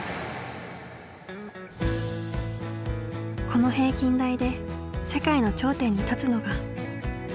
この平均台で世界の頂点に立つのが。